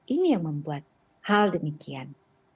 ini yang membuat hal demikian